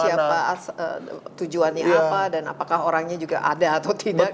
tidak tahu dari mana siapa tujuannya apa dan apakah orangnya juga ada atau tidak